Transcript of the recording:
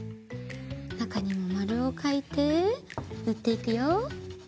なかにもまるをかいてぬっていくよ。